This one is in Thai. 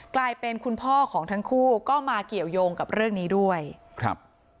กลายเป็นคุณพ่อของทั้งคู่ก็มาเกี่ยวยงกับเรื่องนี้ด้วยครับ